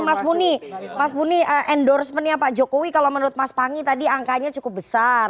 mas muni endorsementnya pak jokowi kalau menurut mas pangy tadi angkanya cukup besar